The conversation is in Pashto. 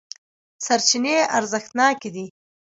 سرچینې ارزښتناکې دي.